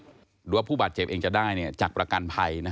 หรือว่าผู้บาดเจ็บเองจะได้จากประกันภัย